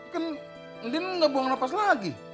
kan dia nggak buang nafas lagi